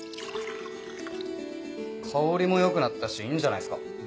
香りも良くなったしいいんじゃないですか？